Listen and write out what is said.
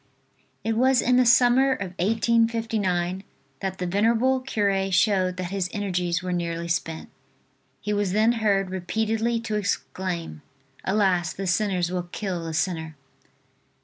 IT was in the summer of 1859, that the venerable cure showed that his energies were nearly spent. He was then heard repeatedly to exclaim: "Alas, the sinners will kill the sinner."